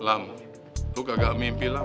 lam lu gak mimpi lam